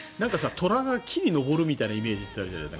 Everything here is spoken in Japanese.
虎が木に上るみたいなイメージってあるじゃない。